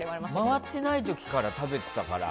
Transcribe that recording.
回ってない時から食べてたから。